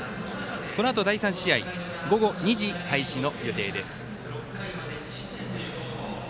このあと第３試合午後２時開始の予定です。